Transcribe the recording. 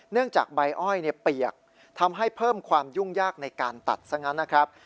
จากใบอ้อยเปียกทำให้เพิ่มความยุ่งยากในการตัดซะงั้นนะครับ